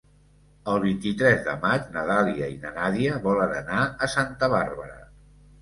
El vint-i-tres de maig na Dàlia i na Nàdia volen anar a Santa Bàrbara.